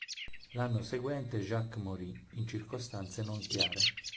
L'anno seguente Jacques morì, in circostanze non chiare.